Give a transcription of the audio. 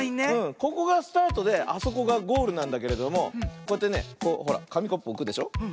ここがスタートであそこがゴールなんだけれどもこうやってねこうほらかみコップおくでしょ。